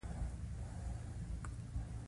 د وطن او ولس دفاع یوه مقدسه دنده ده